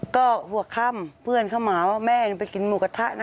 ก็หัวค่ำเพื่อนเข้ามาว่าแม่ไปกินหมูกระทะนะ